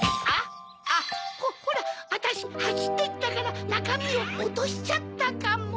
あっ⁉ほらわたしはしってきたからなかみをおとしちゃったかも。